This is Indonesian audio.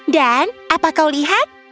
dan apa kau lihat